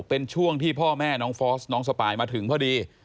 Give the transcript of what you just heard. เป็นช่วงที่พ่อแม่น้องฟอสน้องสปายมาถึงพอดี